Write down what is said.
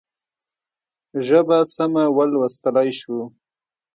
ژبه سمه ولوستلای شو.